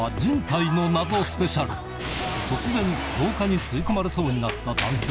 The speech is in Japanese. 突然廊下に吸い込まれそうになった男性